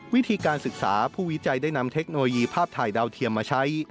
วิธีการศึกษาผู้วิจัยได้นำเทคโนโลยีภาพถ่ายดาวเทียมมาใช้